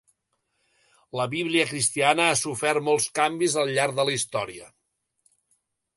La bíblia cristiana ha sofert molts canvis al llarg de la història.